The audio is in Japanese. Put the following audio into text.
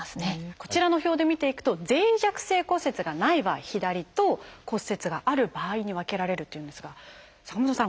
こちらの表で見ていくと脆弱性骨折がない場合左と骨折がある場合に分けられるというんですが坂本さん